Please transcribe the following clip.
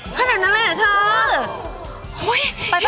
แค่เนี่ยเท่านั้นเลยเหรอเธอ